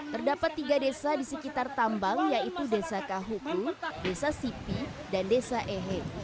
terdapat tiga desa di sekitar tambang yaitu desa kahuku desa sipi dan desa ehe